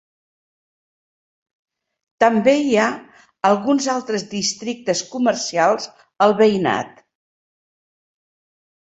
També hi ha alguns altres districtes comercials al veïnat.